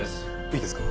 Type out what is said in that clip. いいですか？